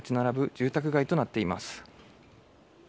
住宅街となっています。